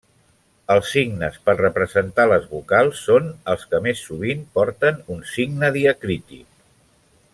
Els signes per representar les vocals són els que més sovint porten un signe diacrític.